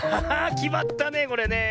きまったねこれねえ。